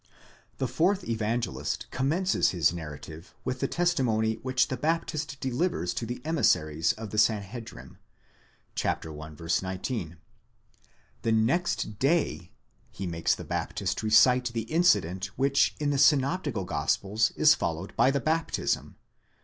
The fourth Evangelist com mences his narrative with the testimony which the Baptist delivers to the emissaries of the Sanhedrim (i. 19) ; the next day (τῇ ἐπαύριον) he makes the Baptist recite the incident which in the synoptical gospels is followed by the baptism (v.